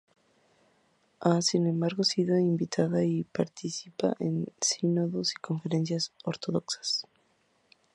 Ha, sin embargo, sido invitada y participa en sínodos y conferencias ortodoxas.